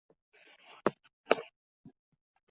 山田五十铃是首位获得文化勋章的女演员。